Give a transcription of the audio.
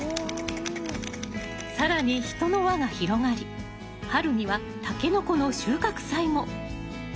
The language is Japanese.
更に人の輪が広がり春にはタケノコの収穫祭も。